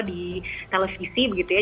di televisi begitu ya